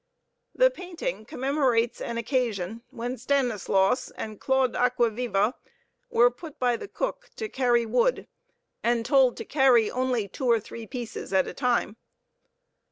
The painting commemorates an occasion when Stanislaus and Claude Acquaviva were put by the cook to carry wood and told to carry only two or three pieces at a time.